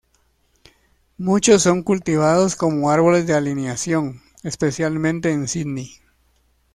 Muchos son cultivados como árboles de alineación, especialmente en Sídney.